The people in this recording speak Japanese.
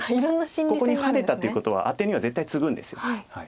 ここにハネたっていうことはアテには絶対ツグんです。